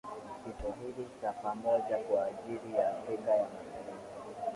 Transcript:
Kiswahili cha pamoja kwa ajili ya Afrika ya Mashariki